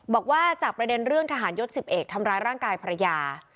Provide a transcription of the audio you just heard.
บอกว่าจากประเด็นเรื่องทหารยศ๑๑ทำร้ายร่างกายภรรยา